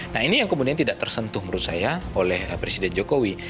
nah ini yang kemudian tidak tersentuh menurut saya oleh presiden jokowi